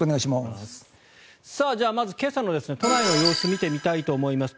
まず今朝の都内の様子を見てみたいと思います。